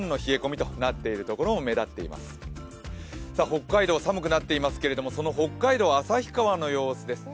北海道、寒くなっていますけれどもその北海道旭川の様子です。